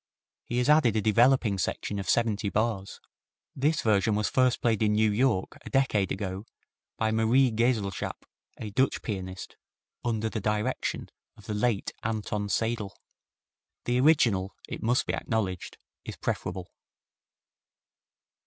He has added a developing section of seventy bars. This version was first played in New York a decade ago by Marie Geselschap, a Dutch pianist, under the direction of the late Anton Seidl. The original, it must be acknowledged, is preferable.